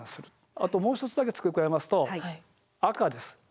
あともう一つだけ付け加えますと赤です。